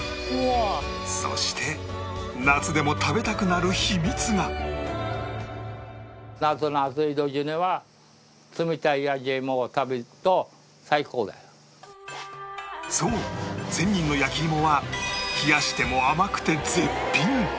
そしてそう仙人の焼き芋は冷やしても甘くて絶品！